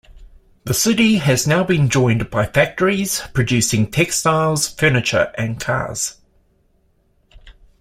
The city has now been joined by factories producing textiles, furniture and cars.